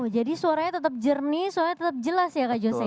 jadi suaranya tetap jernih suaranya tetap jelas ya kak jose ya